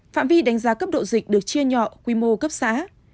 phạm vi đánh giá cấp độ dịch được chia nhỏ quy mô cấp xã